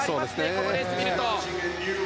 このレースを見ると。